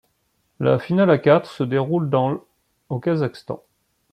La finale à quatre se déroule dans l', au Kazakhstan.